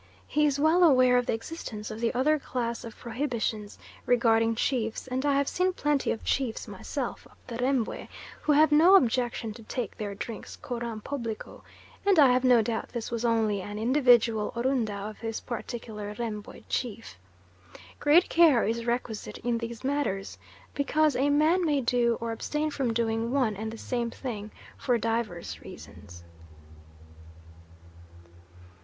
He is well aware of the existence of the other class of prohibitions regarding chiefs and I have seen plenty of chiefs myself up the Rembwe who have no objection to take their drinks coram publico, and I have no doubt this was only an individual Orunda of this particular Rembwe chief. Great care is requisite in these matters, because a man may do or abstain from doing one and the same thing for divers reasons.